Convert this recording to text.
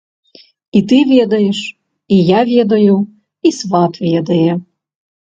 І ты ведаеш, і я ведаю, і сват ведае.